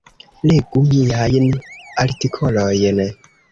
Legu miajn artikolojn.